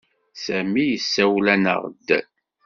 Sami yessawel-aneɣ-d.